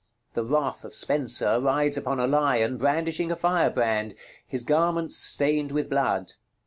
The "Wrath" of Spenser rides upon a lion, brandishing a fire brand, his garments stained with blood.